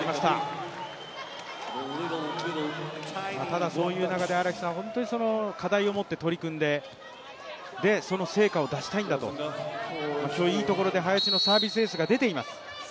ただ、そういう中で、課題を持って取り組んでその成果を出したいんだと、今日はいいところで林のサービスエースが出ています。